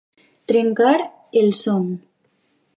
Trencar el son.